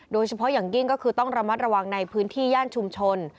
โดยเฉพาะอย่างยิ่งก็คือต้องระมัดระวังในพื้นที่ย่านชุมชน